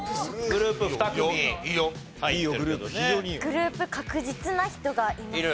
グループ確実な人がいます。